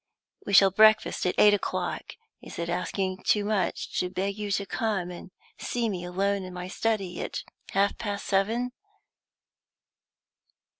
We shall breakfast at eight o'clock. Is it asking too much to beg you to come and see me alone in my study at half past seven?"